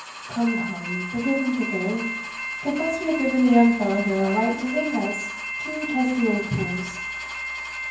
Come, come, forget and forgive confess we have given the young fellow here a right to think us two testy old fools."